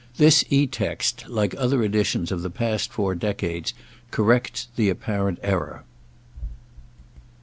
This Etext, like other editions of the past four decades, corrects the apparent error.